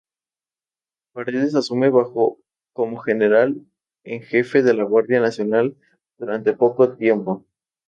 Paredes asume bajo como General en Jefe de la Guardia Nacional durante poco tiempo.